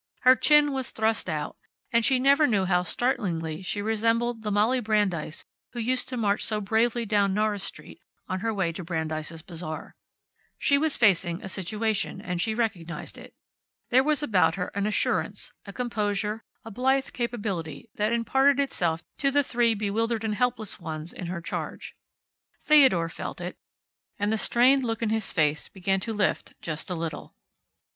Her chin was thrust out, and she never knew how startlingly she resembled the Molly Brandeis who used to march so bravely down Norris street on her way to Brandeis' Bazaar. She was facing a situation, and she recognized it. There was about her an assurance, a composure, a blithe capability that imparted itself to the three bewildered and helpless ones in her charge. Theodore felt it, and the strained look in his face began to lift just a little.